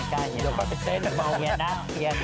เฮียมีพักเท้าเลยนะ